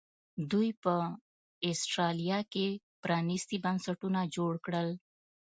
دوی په اسټرالیا کې پرانیستي بنسټونه جوړ کړل.